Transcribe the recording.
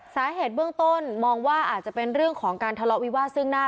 สาเหตุเบื้องต้นมองว่าอาจจะเป็นเรื่องของการทะเลาะวิวาสซึ่งหน้า